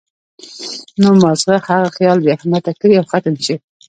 نو مازغۀ هغه خيال بې اهميته کړي او ختم شي